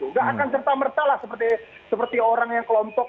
nggak akan serta merta lah seperti orang yang kelompok